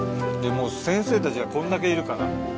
先生たちがこんだけいるから。